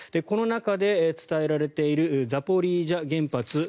この中で伝えられているザポリージャ原発